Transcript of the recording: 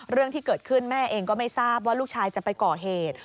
เรื่องที่เกิดขึ้นแม่เองก็ไม่ทราบว่าลูกชายจะไปก่อเหตุ